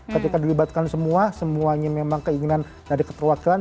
ketika dilibatkan semua semuanya memang keinginan dari keterwakilan